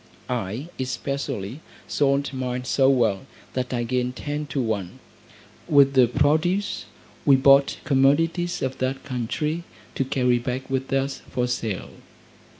I, especially, sold mine so well, that I gained ten to one. With the produce we bought commodities of that country, to carry back with us for sale.